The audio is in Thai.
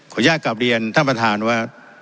อนุญาตกลับเรียนท่านประธานว่า